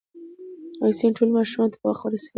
واکسین ټولو ماشومانو ته په وخت رسیږي.